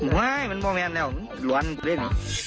มันบรรแมนแล้วหลวนเล่น